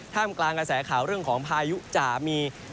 กลางกระแสข่าวเรื่องของพายุจะมี